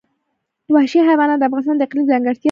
وحشي حیوانات د افغانستان د اقلیم ځانګړتیا ده.